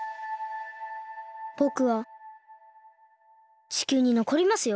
ぼくは地球にのこりますよ。